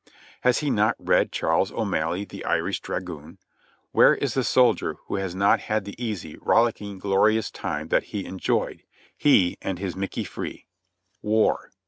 Has he not read "Charles O'Malley, the Irish Dragoon" ? Where is the soldier who has not had the easy, rollicking, glorious time that he en joyed— He and his "Mickey Free" ? War!